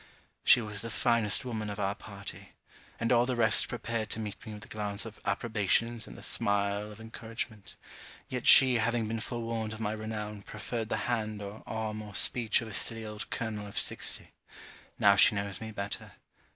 She was the finest woman of our party; and all the rest prepared to meet me with the glance of approbations and the smile of encouragement; yet she having been forewarned of my renown preferred the hand or arm or speech of a silly old colonel of sixty. Now she knows me better.